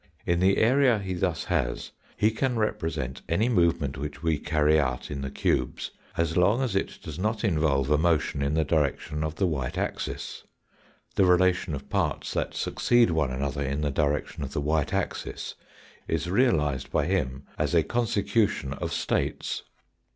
In the area he thus has he can represent any movement which we carry out in the cubes, as long as it does not involve a motion in the direction of the white axis. The relation of parts that succeed one another in the direction of the white axis is realised by him as a consecution of states.